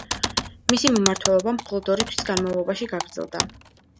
მისი მმართველობა მხოლოდ ორი თვის განმავლობაში გაგრძელდა.